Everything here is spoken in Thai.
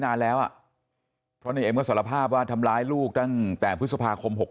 นานแล้วอ่ะเพราะในเอ็มก็สารภาพว่าทำร้ายลูกตั้งแต่พฤษภาคม๖๖